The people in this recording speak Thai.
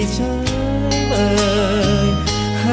สวัสดีครับ